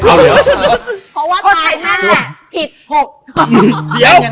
เพราะว่าไขมัน